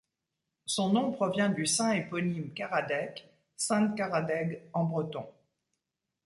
Son nom provient du saint éponyme Caradec, sant Karadeg en breton.